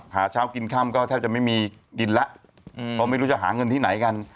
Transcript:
หาเช้ากินค่ำก็แทบจะไม่มีกินแล้วเพราะไม่รู้จะหาเงินที่ไหนกัน